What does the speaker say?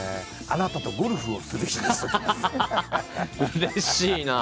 うれしいな。